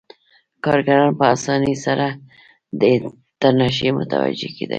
کارګران په اسانۍ سره دې ته نشي متوجه کېدای